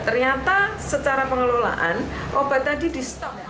ternyata secara pengelolaan obat tadi di stop